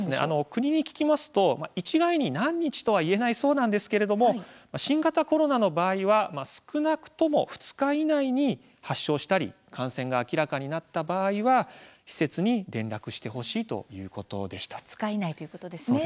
国に聞きますと一概に何日とは言えないそうですが新型コロナの場合は少なくとも２日以内に発症したり感染が明らかになった場合は施設に連絡してほしいということでした。